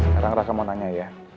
sekarang rasa mau nanya ya